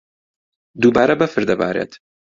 دووبارە بەفر دەبارێت.